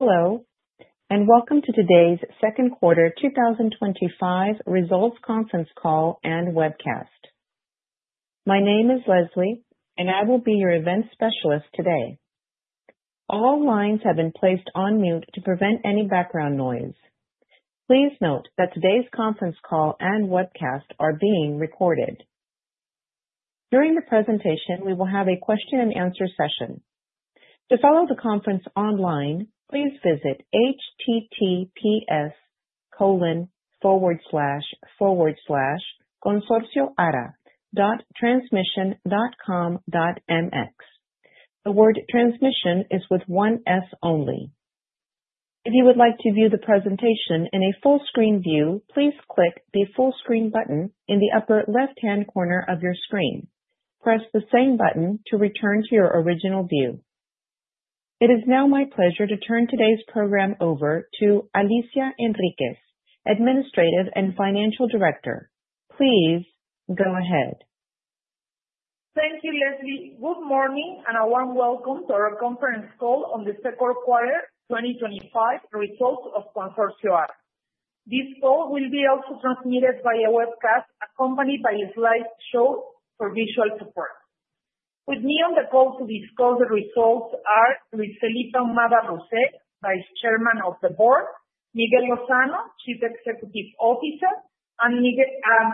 Hello, and welcome to today's second quarter 2025 results conference call and webcast. My name is Leslie, and I will be your event specialist today. All lines have been placed on mute to prevent any background noise. Please note that today's conference call and webcast are being recorded. During the presentation, we will have a question-and -nswer session. To follow the conference online, please visit https://consorcioara.transmission.com.mx. The word "transmission" is with one "s" only. If you would like to view the presentation in a full screen view, please click the full screen button in the upper left-hand corner of your screen. Press the same button to return to your original view. It is now my pleasure to turn today's program over to Alicia Enriquez, Administrative and Financial Director. Please go ahead. Thank you, Leslie. Good morning and a warm welcome to our conference call on the second quarter 2025 results of Consorcio ARA. This call will be also transmitted via webcast, accompanied by a slideshow for visual support. With me on the call to discuss the results are Luis Felipe Almada-Roset, Vice Chairman of the Board; Miguel Lozano, Chief Executive Officer; and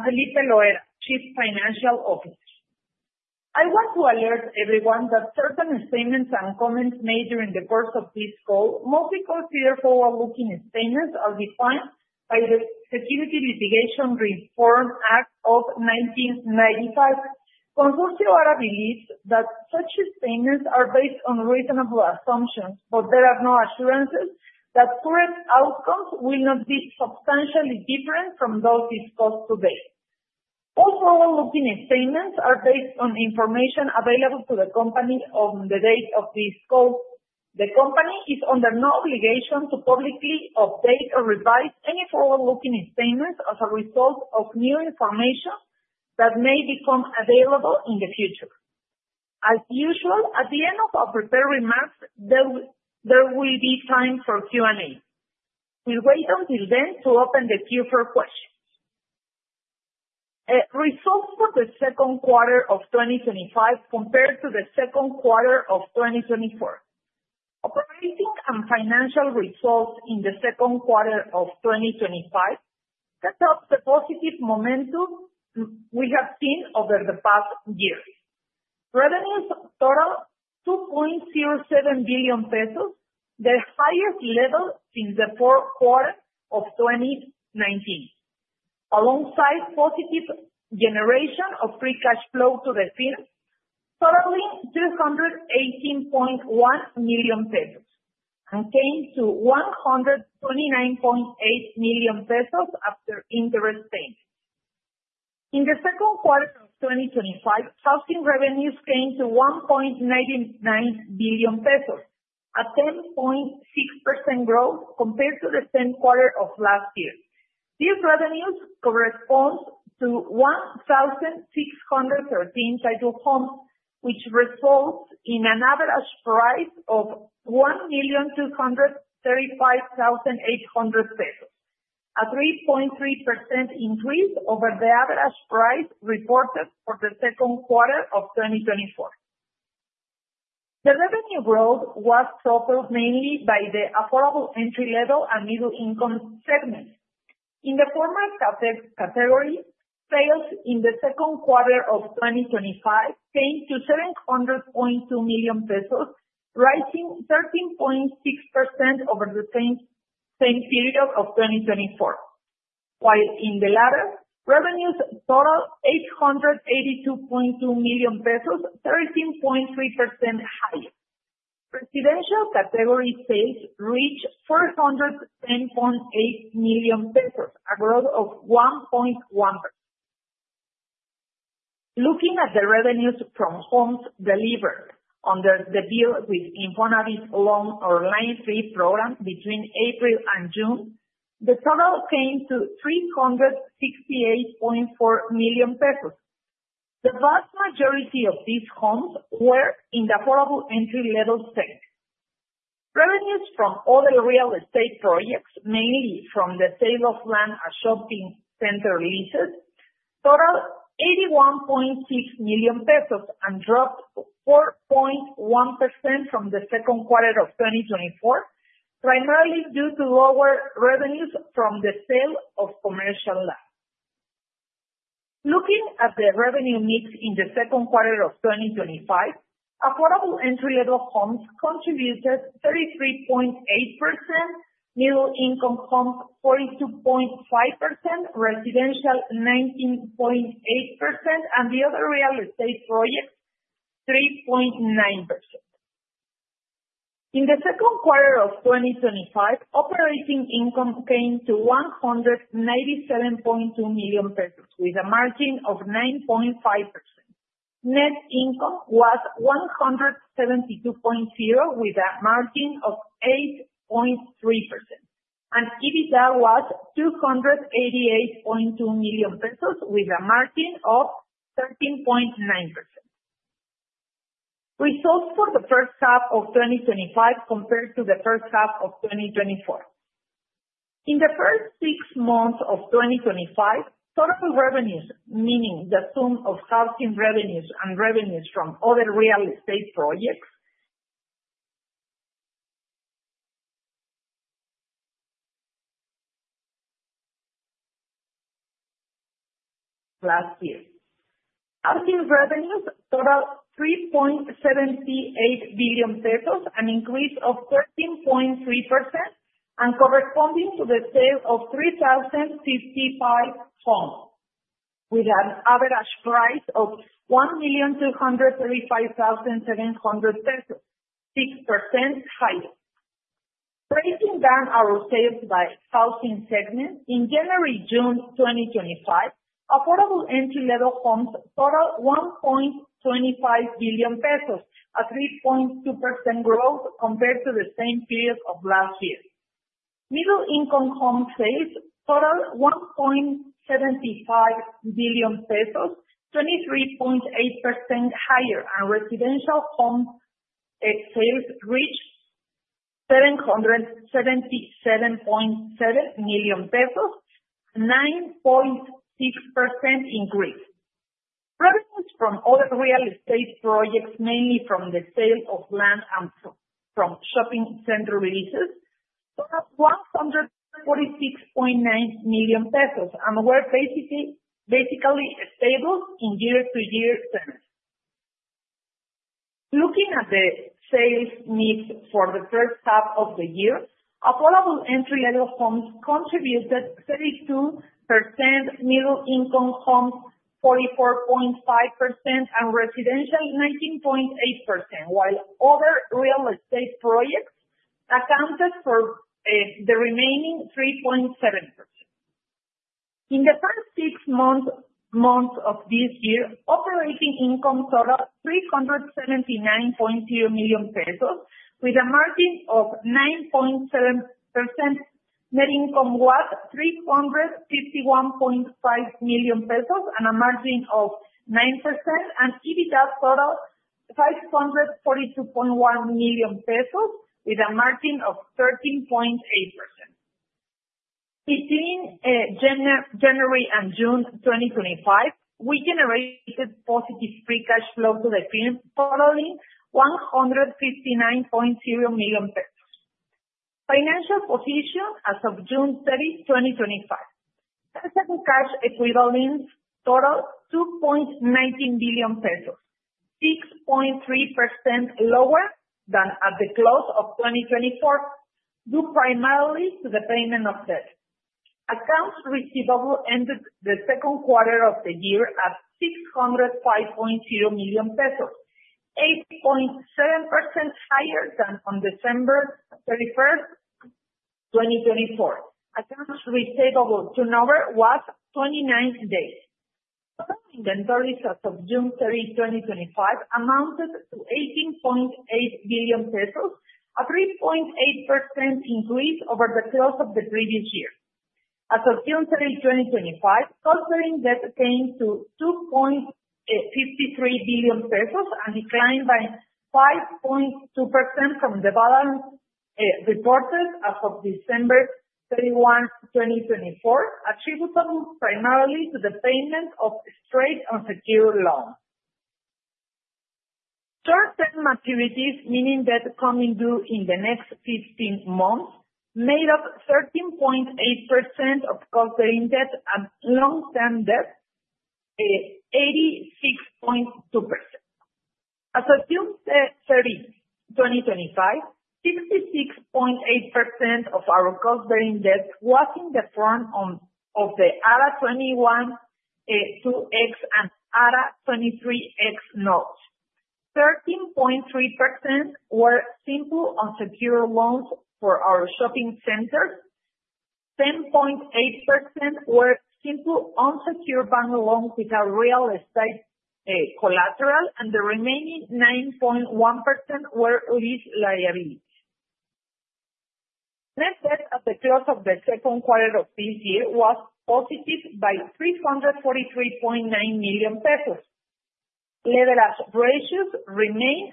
Felipe Loera, Chief Financial Officer. I want to alert everyone that certain statements and comments made during the course of this call must be considered as forward-looking statements as defined by the Securities Litigation Reform Act of 1995. Consorcio ARA. believes that such statements are based on reasonable assumptions, but there are no assurances that current outcomes will not be substantially different from those discussed today. All forward-looking statements are based on information available to the company on the date of this call. The company is under no obligation to publicly update or revise any forward-looking statements as a result of new information that may become available in the future. As usual, at the end of our prepared remarks, there will be time for Q&A. We wait until then to open the queue for questions. Results for the second quarter of 2025 compared to the second quarter of 2024. Operating and financial results in the second quarter of 2025 kept up the positive momentum we have seen over the past year. Revenues totaled 2.07 billion pesos the highest level since the fourth quarter of 2019. Alongside positive generation of free cash flow to the field, totaling 318.1 million pesos and came to 129.8 million pesos after interim statements. In the second quarter of 2025, housing revenues came to 1.99 billion pesos, a 10.6% growth compared to the same quarter of last year. These revenues correspond to 1,613 titled homes, which result in an average price of 1,235,800 pesos, a 3.3% increase over the average price reported for the second quarter of 2024. The revenue growth was supported mainly by the affordable entry-level and middle-income segments. In the former category, sales in the second quarter of 2025 came to 700.2 million pesos, rising 13.6% over the same period of 2024. While in the latter, revenues totaled 882.2 million pesos, 13.3% higher. Residential category sales reached 410.8 million pesos, a growth of 1.1%. Looking at the revenues from homes delivered under the bill with Infonavit loan or line fee program between April and June, the total came to MXN 368.4 million. The vast majority of these homes were in the affordable entry-level segment. Revenues from other real estate projects, mainly from the sale of land and shopping center leases, totaled 81.6 million and dropped 4.1% from the second quarter of 2024, primarily due to lower revenues from the sale of commercial land. Looking at the revenue mix in the second quarter of 2025, affordable entry-level homes contributed 33.8%, middle-income homes 42.5%, residential 19.8%, and the other real estate projects 3.9%. In the second quarter of 2025, operating income came to 197.2 million pesos with a margin of 9.5%. Net income was MXN 172.0 million with a margin of 8.3%. EBITDA was MXN 288.2 million with a margin of 13.9%. Results for the first half of 2025 compared to the first half of 2024. In the first six months of 2025, total revenues, meaning the sum of housing revenues and revenues from other real estate projects, last year. Housing revenues totaled 3.78 billion pesos, an increase of 13.3% and corresponding to the sale of 3,055 homes with an average price of 1.235700 million pesos, 6% higher. Breaking down our sales by housing segment, in January-June 2025, affordable entry-level homes totaled 1.25 billion pesos, a 3.2% growth compared to the same period of last year. Middle-income home sales totaled 1.75 billion pesos, 23.8% higher, and residential home sales reached 777.7 million pesos, a 9.6% increase. Revenues from other real estate projects, mainly from the sale of land and from shopping center leases, totaled MXN 146.9 million and were basically stable in year-over-year terms. Looking at the sales mix for the first half of the year, affordable entry-level homes contributed 32%, middle-income homes 44.5%, and residential 19.8%, while other real estate projects accounted for the remaining 3.7%. In the first six months of this year, operating income totaled 379.2 million pesos with a margin of 9.7%. Net income was MXN 351.5 million with a margin of 9%. EBITDA totaled 542.1 million pesos with a margin of 13.8%. Considering January and June 2025, we generated positive free cash flow to the field, totaling $159.0 million pesos. Financial position as of June 30, 2025. Asset and cash equivalents totaled MXN 2.19 billion, 6.3% lower than at the close of 2024, due primarily to the payment of debt. Accounts receivable ended the second quarter of the year at 605.0 million pesos, 8.7% higher than on December 31st, 2024. Accounts receivable turnover was 29 days. Total inventories as of June 30, 2025, amounted to 18.8 billion pesos, a 3.8% increase over the close of the previous year. As of June 30, 2025, total index came to 2.53 billion pesos and declined by 5.2% from the balance reported as of December 31, 2024, attributable primarily to the payment of straight and secure loans. Short-term activities, meaning debts coming due in the next 15 months, made up 13.8% of total index, and long-term debt 86.2%. As of June 30, 2025, 66.8% of our total index was in the form of the ARA 21-2X and ARA 23X loans. 13.3% were simple unsecured loans for our shopping centers. 10.8% were simple unsecured bank loans without real estate collateral, and the remaining 9.1% were lease liabilities. Net debt at the close of the second quarter of this year was positive by 343.9 million pesos. Level of ratios remain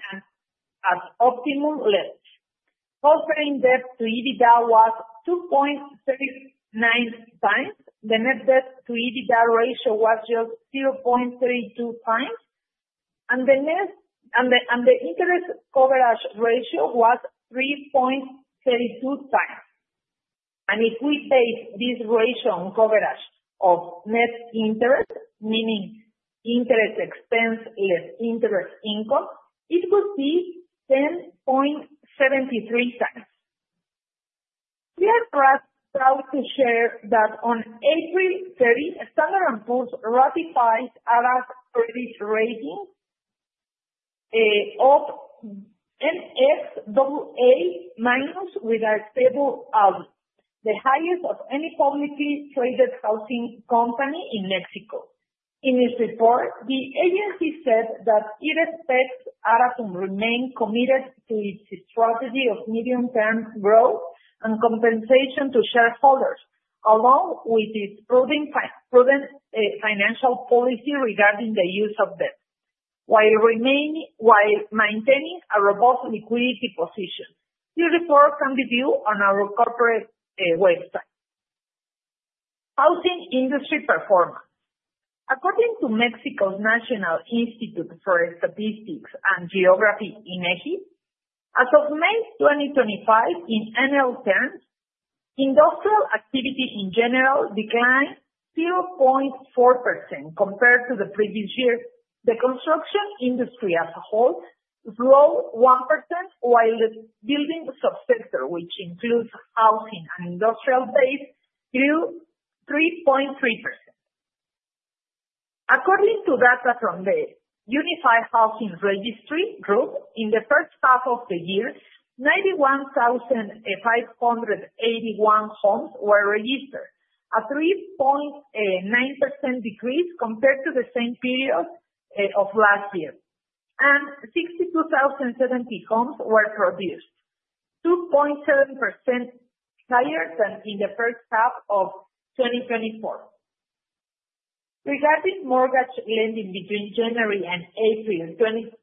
at optimum levels. Total index to EBITDA was 2.69x. The net debt to EBITDA ratio was just 0.32x. The interest coverage ratio was 3.32x. If we take this ratio on coverage of net interest, meaning interest expense and interest income, it would be 10.73x. We are proud to share that on April 30, Standard & Poor’s ratified ARA’s previous rating of MSWA- with a stable ALM, the highest of any publicly traded housing company in Mexico. In its report, the agency said that it expects ARA to remain committed to its strategy of medium-term growth and compensation to shareholders, along with its prudent financial policy regarding the use of debt, while maintaining a robust liquidity position. This report can be viewed on our corporate website. Housing industry performance. According to Mexico National Institute for Statistics and Geography in ECI, as of May 2025, in NL terms, industrial activity in general declined 0.4% compared to the previous year. The construction industry as a whole grew 1%, while the building subsector, which includes housing and industrial trade, grew 3.3%. According to data from the Unified Housing Registry Group, in the first half of the year, 91,581 homes were registered, a 3.9% decrease compared to the same period of last year. 62,070 homes were produced, 2.7% higher than in the first half of 2024. Regarding mortgage lending between January and April in 2025,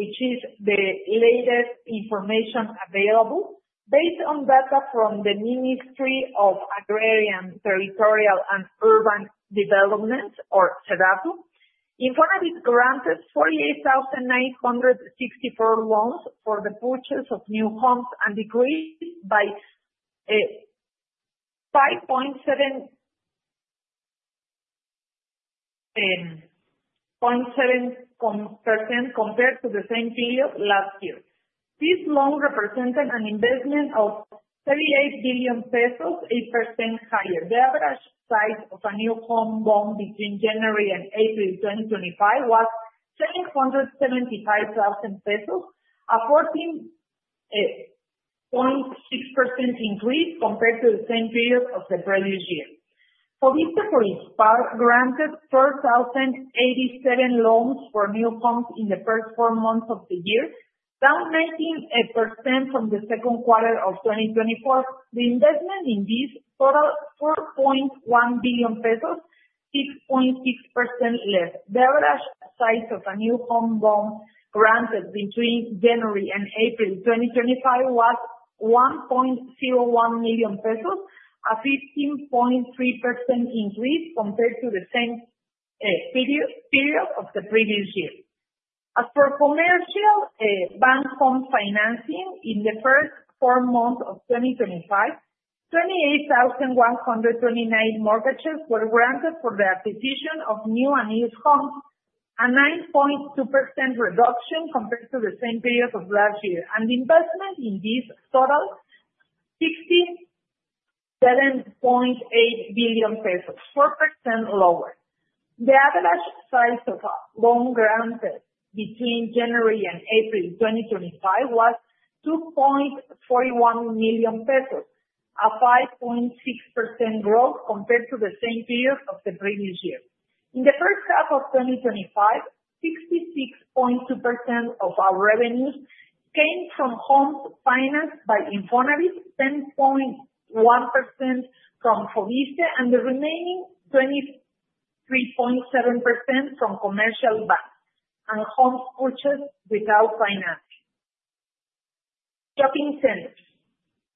which is the latest information available based on data from the Ministry of Agrarian, Territorial, and Urban Development, or SEDATU, Infonavit granted 48,964 loans for the purchase of new homes and decreased by 5.7% compared to the same period last year. This loan represented an investment of 38 billion pesos, 8% higher. The average price of a new home loan between January and April 2025 was 775,000 pesos, a 14.6% increase compared to the same period of the previous year. Solista for SPAR granted 3,087 loans for new homes in the first four months of the year, down 19% from the second quarter of 2024. The investment in this totaled 4.1 billion pesos, 6.6% less. The average size of a new home loan granted between January and April 2025 was 1.01 million pesos, a 15.3% increase compared to the same period of the previous year. As for Comercio Ban Home Financing, in the first four months of 2025, 28,129 mortgages were granted for the acquisition of new and used homes, a 9.2% reduction compared to the same period of last year. The investment in this totaled 67.8 billion pesos, 4% lower. The average size of a loan granted between January and April 2025 was 2.41 million pesos, a 5.6% growth compared to the same period of the previous year. In the first half of 2025, 66.2% of our revenues came from home finance by Infonavit, 10.1% from Solista, and the remaining 23.7% from commercial banks and home purchase without finance. Shopping centers.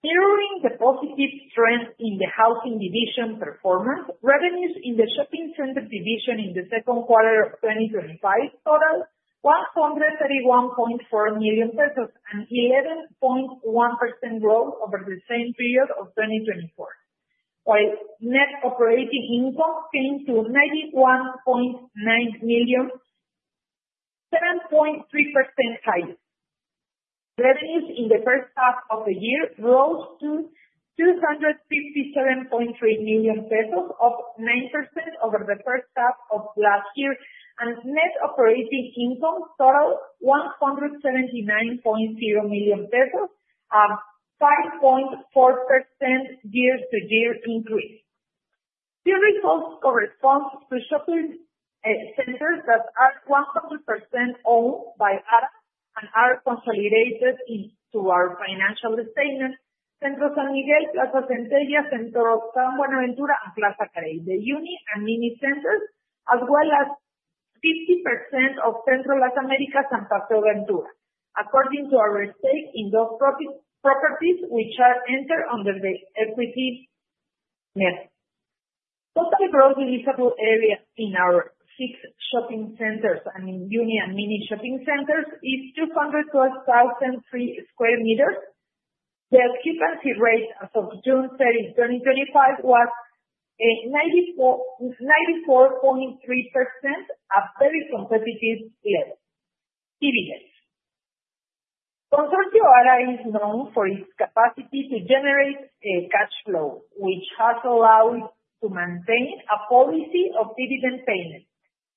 Mirroring the positive strength in the housing division performance, revenues in the shopping center division in the second quarter of 2025 totaled MXN 131.4 million and 11.1% growth over the same period of 2024, while net operating income came to 91.9 million, 7.3% higher. Revenues in the first half of the year rose to 257.3 million pesos of negative over the first half of last year. Net operating income totaled MXN 179.0 million, a 5.4% year-over-year increase. The results correspond to shopping centers that are 100% owned by ARA and ARA consolidated into our financial statements. Centro San Miguel Plaza Centella, Centro San Buenaventura and Plaza Carril de Une, and mini centers, as well as 50% of Centro Las Américas and Paseo Ventura. According to our estate, those properties which are entered under the equity method. Total growth visible areas in our six shopping centers and in uni and mini shopping centers is 211,000 sq m. The occupancy rate as of June 30, 2025 was 94.3%, a very competitive level. Consorcio ARA is known for its capacity to generate cash flow, which has allowed us to maintain a policy of dividend payment,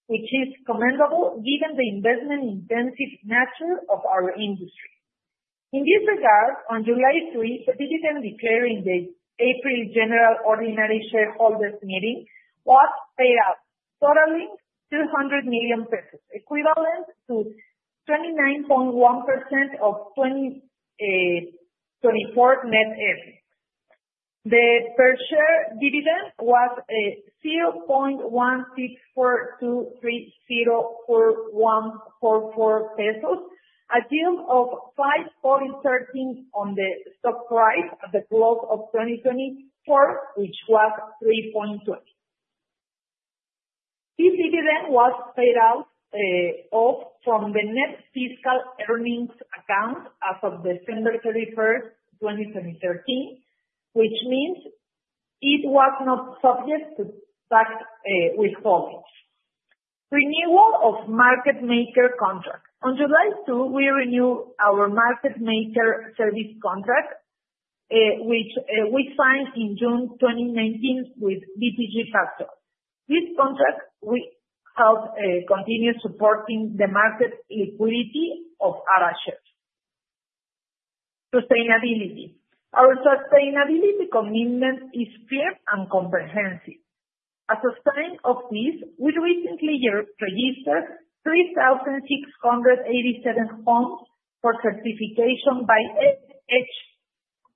which is commendable given the investment-intensive nature of our industry. In this regard, on July 3, the dividend declared in the April General Ordinary Shareholders Meeting was paid out, totaling 200 million pesos, equivalent to 29.1% of 2024 net earnings. The per share dividend was MXN 0.1642304144, a yield of 5.13% on the stock price at the close of 2024, which was MXM 3.20. This dividend was paid out from the net fiscal earnings account as of December 31st, 2013, which means it was not subject to tax withholdings. Renewal of market maker contracts. On July 2, we renewed our market maker service contract, which we signed in June 2019 with BTG Pactual. This contract helps continue supporting the market liquidity of ARA shares. Sustainability. Our sustainability commitment is clear and comprehensive. As a sign of this, we recently registered 3,687 homes for certification by EDGE,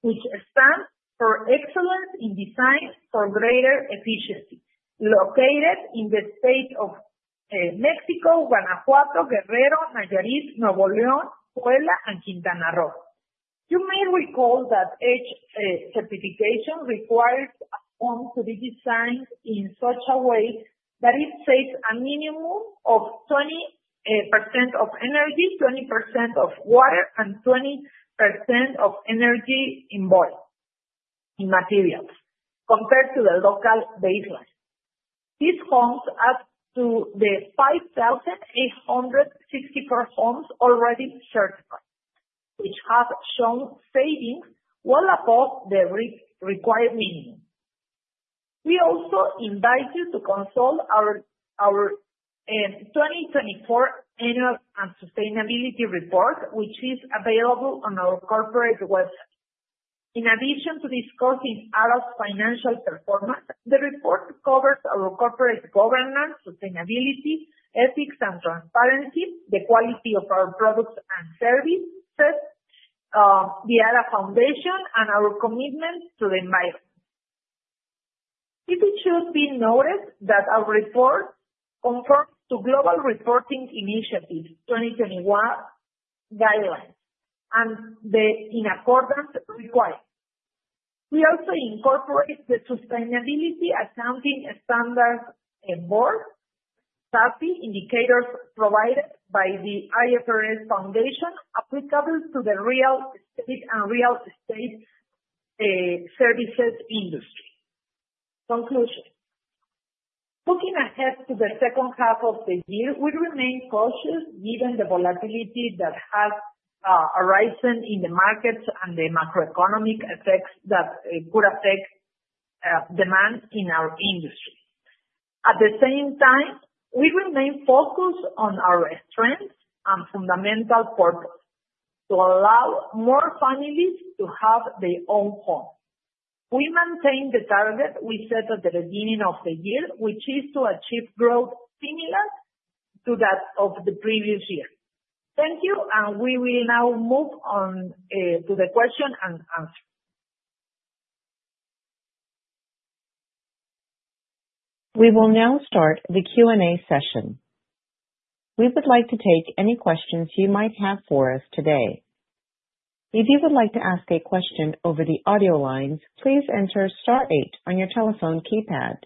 which stands for Excellence in Design for Greater Efficiencies, located in the State of Mexico, Guanajuato, Guerrero, Nayarit, Nuevo León, Puebla, and Quintana Roo. You may recall that EDGE certification requires homes to be designed in such a way that it saves a minimum of 20% of energy, 20% of water, and 20% of energy embodied in materials compared to the local baseline. These homes add to the 5,864 homes already certified, which have shown savings well above the EDGE required minimum. We also invite you to consult our 2024 Annual and Sustainability Report, which is available on our corporate website. In addition to discussing ARA's financial performance, the report covers our corporate governance, sustainability, ethics, and transparency, the quality of our products and services, the ARA Foundation, and our commitment to the environment. It should be noted that our report conforms to Global Reporting Initiative 2021 guidelines and the in accordance required. We also incorporate the Sustainability Accounting Standards Board, SASB indicators provided by the IFRS Foundation, applicable to the real estate and real estate services industry. Conclusion. Looking ahead to the second half of the year, we remain cautious given the volatility that has arisen in the markets and the macroeconomic effects that could affect demand in our industry. At the same time, we remain focused on our strength and fundamental purpose to allow more families to have their own home. We maintain the target we set at the beginning of the year, which is to achieve growth similar to that of the previous year. Thank you, and we will now move on to the question and answer. We will now start the Q&A session. We would like to take any questions you might have for us today. If you would like to ask a question over the audio lines, please enter Star eight on your telephone keypad.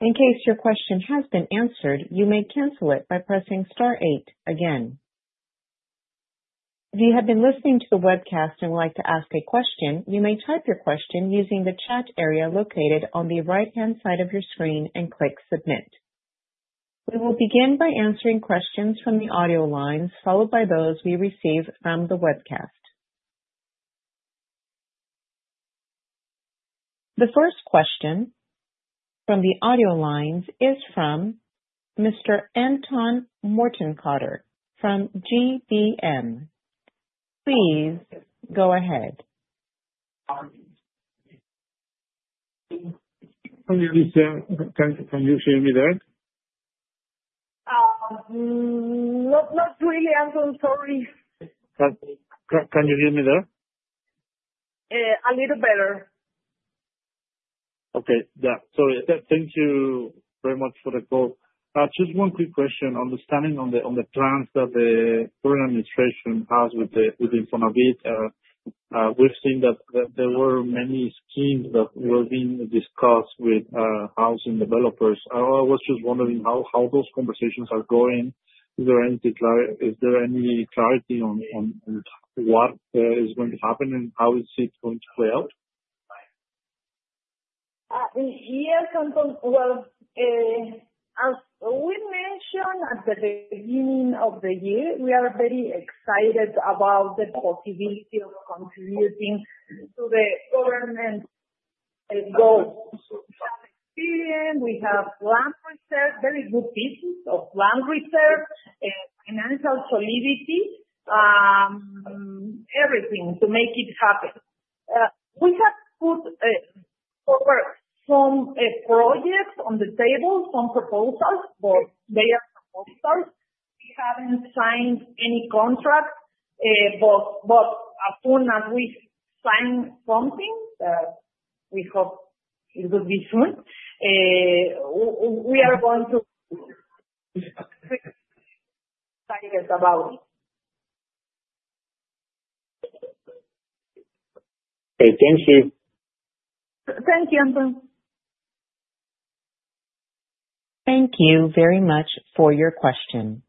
In case your question has been answered, you may cancel it by pressing Star eight again. If you have been listening to the webcast and would like to ask a question, you may type your question using the chat area located on the right-hand side of your screen and click submit. We will begin by answering questions from the audio lines, followed by those we receive from the webcast. The first question from the audio lines is from Anton Mortenkotter from GBM. Please go ahead. Hello, Leslie. Can you hear me there? Not really, Anton. Sorry. Can you hear me there? A little better. Okay. Thank you very much for the call. Just one quick question. Understanding on the plans that the current administration has with Infonavit, we've seen that there were many schemes that were being discussed with housing developers. I was just wondering how those conversations are going. Is there any clarity on what is going to happen and how is it going to play out? As we mentioned at the beginning of the year, we are very excited about the possibility of contributing to the government goals. We have land reserve, very good business of land reserve, and financial solidity, everything to make it happen. We have put some projects on the table, some proposals for their proposals. We haven't signed any contracts, but as soon as we sign something, we hope it will be soon. We are going to be excited about it. Okay, thank you. Thank you, Anton. Thank you very much for your question.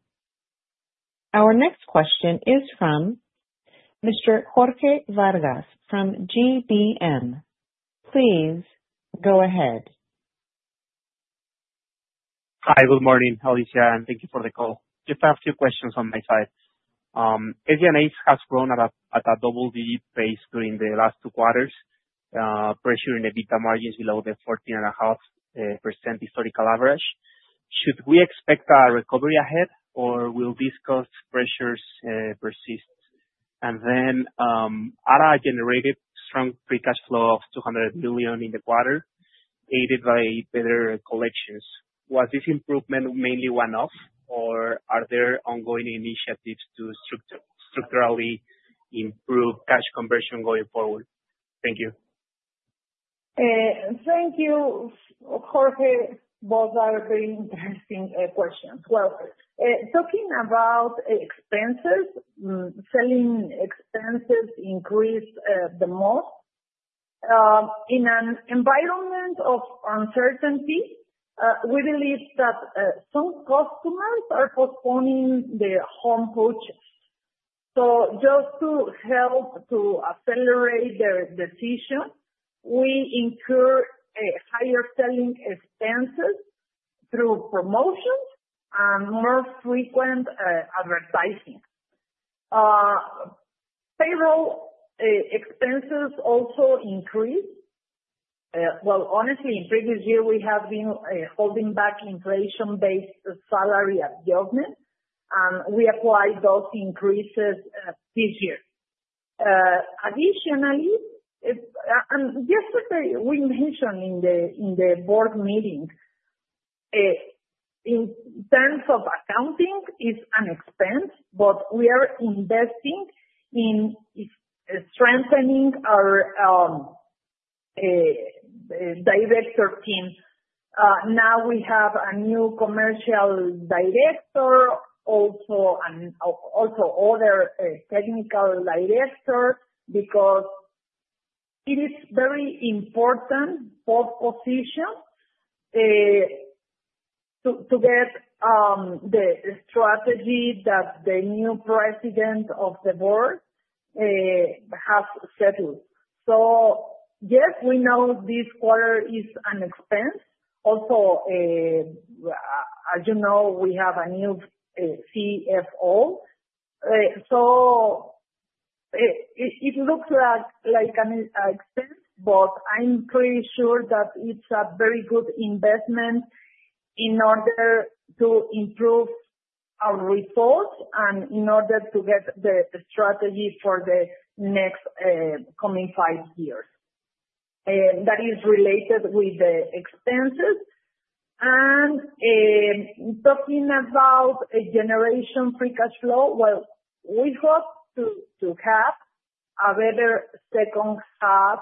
Our next question is from Mr. Jorge Vargas from GBM. Please go ahead. Hi. Good morning, Alicia, and thank you for the call. Just a few questions on my side. As the NHS has grown at a double-digit pace during the last two quarters, pressuring EBITDA margins below the 14.5% historical average, should we expect a recovery ahead, or will these cost pressures persist? ARA generated strong free cash flow of 200 million in the quarter, aided by better collections. Was this improvement mainly one-off, or are there ongoing initiatives to structurally improve cash conversion going forward? Thank you. Thank you, Jorge, both are very interesting questions. Talking about expenses, selling expenses increase the most. In an environment of uncertainty, we believe that some customers are postponing their home purchase. Just to help to accelerate their decision, we incur higher selling expenses through promotions and more frequent advertising. Payroll expenses also increase. Honestly, in previous years, we have been holding back inflation-based salary adjustments, and we applied those increases this year. Additionally, just as we mentioned in the board meeting, in terms of accounting, it's an expense, but we are investing in strengthening our director team. Now we have a new Commercial Director, also another Technical Director, because it is very important for positions to get the strategy that the new President of the Board has scheduled. Yes, we know this quarter is an expense. Also, as you know, we have a new CFO. It looks like an expense, but I'm pretty sure that it's a very good investment in order to improve our results and in order to get the strategy for the next coming five years. That is related with the expenses. Talking about generation of free cash flow, we hope to have a better second half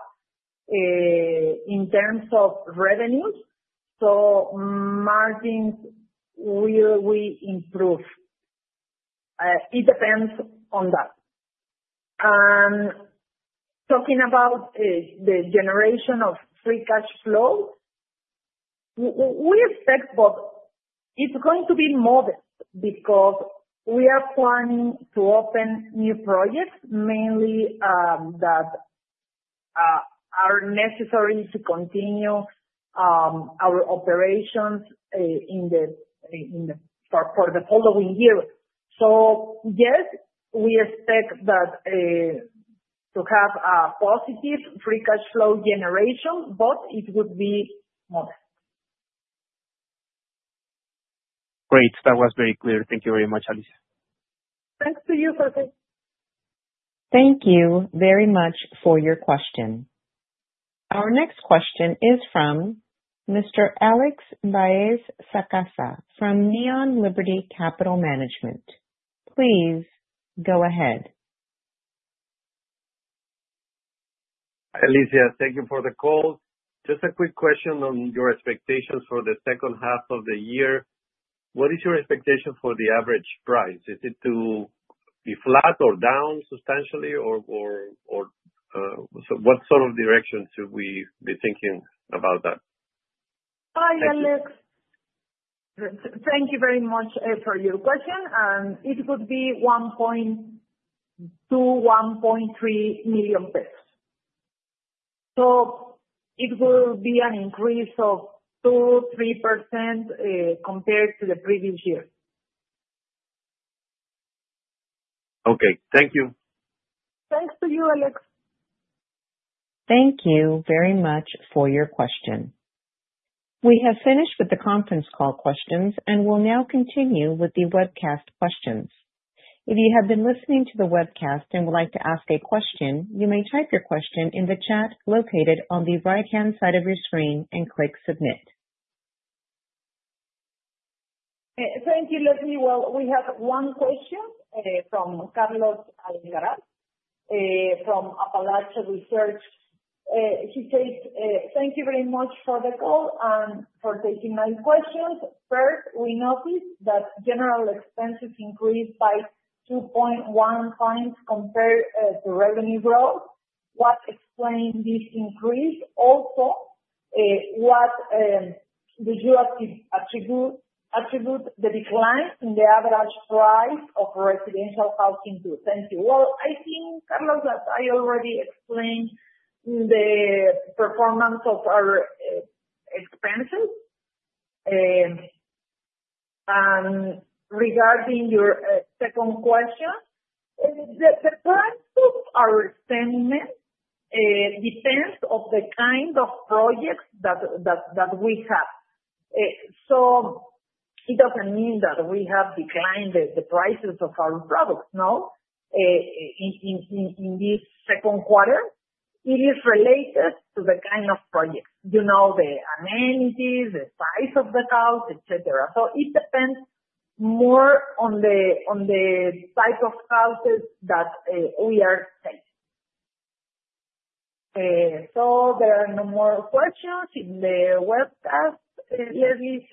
in terms of revenues. Margins will improve. It depends on that. Talking about the generation of free cash flow, we expect, but it's going to be modest because we are planning to open new projects, mainly that are necessary to continue our operations for the following year. Yes, we expect to have a positive free cash flow generation, but it would be modest. Great. That was very clear. Thank you very much, Alicia. Thanks to you, Jorge. Thank you very much for your question. Our next question is from Mr. Alex Baez-Sacasa from Neon Liberty Capital Management. Please go ahead. Alicia, thank you for the call. Just a quick question on your expectations for the second half of the year. What is your expectation for the average price? Is it to be flat or down substantially? What sort of direction should we be thinking about that? Hi, Alex. Thank you very much for your question. It could be 1.2 million, 1.3 million pesos. It will be an increase of 2%, 3% compared to the previous year. Okay, thank you. Thanks to you, Alicia. Thank you very much for your question. We have finished with the conference call questions, and we'll now continue with the webcast questions. If you have been listening to the webcast and would like to ask a question, you may type your question in the chat located on the right-hand side of your screen and click submit. Thank you, Leslie. We have one question from Carlos Alcaraz from Apalache Reserach. He says, "Thank you very much for the call and for taking my questions. First, we noticed that general expenses increased by 2.1x compared to revenue growth. What explains this increase? Also, what did you attribute the decline in the average price of residential housing to?" Thank you. Carlos, I think that I already explained the performance of our expenses. Regarding your second question, the price of our assessment depends on the kind of projects that we have. It doesn't mean that we have declined the prices of our products. In this second quarter, it is related to the kind of projects, you know, the amenities, the size of the house, etc. It depends more on the type of houses that we are selling. There are no more questions in the webcast, Leslie.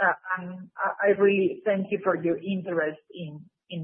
I really thank you for your interest in.